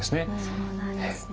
そうなんですね。